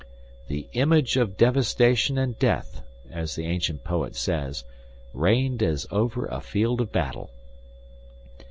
"The image of devastation and death," as the ancient poet says, "reigned as over a field of battle."